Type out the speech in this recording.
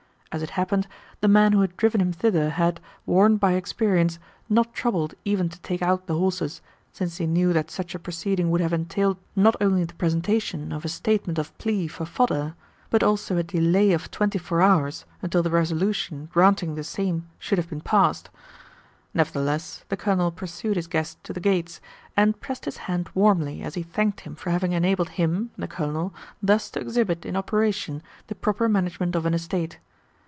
As it happened, the man who had driven him thither had, warned by experience, not troubled even to take out the horses, since he knew that such a proceeding would have entailed not only the presentation of a Statement of Plea for fodder, but also a delay of twenty four hours until the Resolution granting the same should have been passed. Nevertheless the Colonel pursued his guest to the gates, and pressed his hand warmly as he thanked him for having enabled him (the Colonel) thus to exhibit in operation the proper management of an estate.